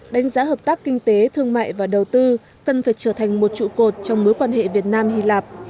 đánh giá hợp tác kinh tế thương mại và đầu tư cần phải trở thành một trụ cột trong mối quan hệ việt nam hy lạp